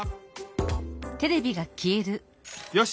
よし！